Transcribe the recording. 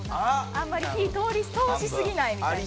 あんまり火通しすぎないみたいな。